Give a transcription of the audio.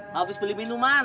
habis beli minuman